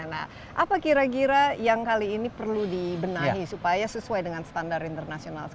nah apa kira kira yang kali ini perlu dibenahi supaya sesuai dengan standar internasional